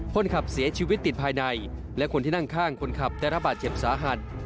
คนขับเสียชีวิตติดภายในและคนที่นั่งข้างคนขับได้รับบาดเจ็บสาหัส